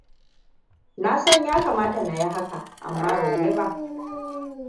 Nasan ya kamata na yi haka, amma ban yi ba.